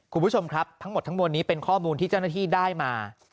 คุณผู้ชมครับทั้งหมดทั้งมวลนี้เป็นข้อมูลที่เจ้าหน้าที่ได้มา